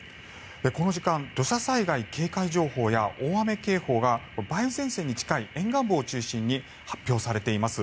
この時間土砂災害警戒情報や大雨警報が梅雨前線に近い沿岸部を中心に発表されています。